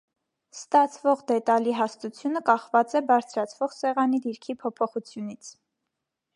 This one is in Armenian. Ստացվող դետալի հաստությունը կախված է բարձրացվող սեղանի դիրքի փոփոխությունից։